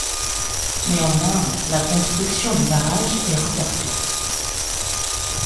Néanmoins, la construction du barrage est reportée.